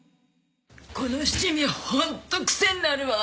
この七味ホント癖になるわ。